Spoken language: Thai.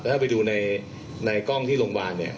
ถ้าไปดูในกล้องที่โรงพยาบาลเนี่ย